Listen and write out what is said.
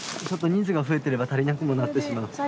ちょっと人数が増えてれば足りなくもなってしまう。